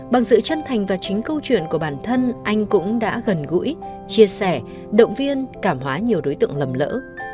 bằng sự chân thành và chính câu chuyện của bản thân anh cũng đã gần gũi chia sẻ động viên cảm hóa nhiều đối tượng lầm lỡ